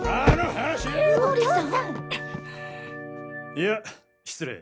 いや失礼。